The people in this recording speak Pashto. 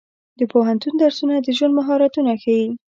د پوهنتون درسونه د ژوند مهارتونه ښيي.